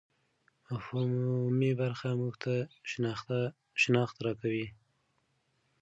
مفهومي برخه موږ ته شناخت راکوي.